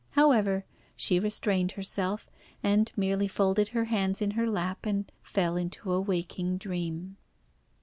However, she restrained herself, and merely folded her hands in her lap and fell into a waking dream.